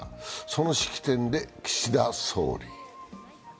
その式典で岸田総理。